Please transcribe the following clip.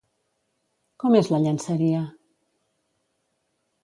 Com és la llenceria?